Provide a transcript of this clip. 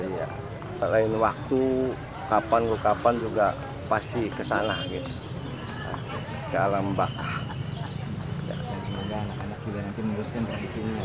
iya selain waktu kapan kapan juga pasti kesana gitu dalam bakah